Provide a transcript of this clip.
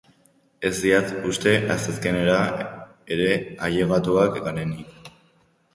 Ez diat uste asteazkenera ere ailegatuak garenik.